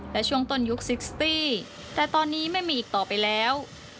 และช่วงต้นยุคซิกสตี้แต่ตอนนี้ไม่มีอีกต่อไปแล้ว